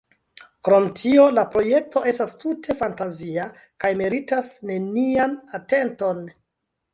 Krom tio la projekto estas tute fantazia kaj meritas nenian atenton.